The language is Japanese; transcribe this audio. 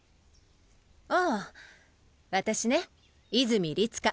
ああ私ね泉律佳。